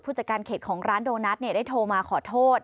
จัดการเขตของร้านโดนัทได้โทรมาขอโทษ